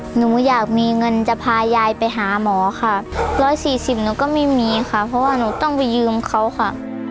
หนูอยากมีเงินจะพายายไปหาหมอค่ะ๑๔๐หนูก็ไม่มีค่ะเพราะว่าหนูต้องไปยืมเขาค่ะ